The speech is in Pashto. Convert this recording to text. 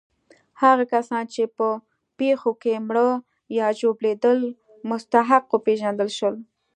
هغه کسان چې په پېښو کې مړه یا ژوبلېدل مستحق وپېژندل شول.